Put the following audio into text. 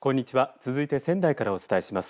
続いて仙台からお伝えします。